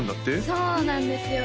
そうなんですよ